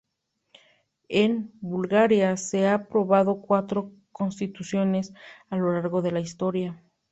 En Bulgaria se han aprobado cuatro constituciones a lo largo de la historia.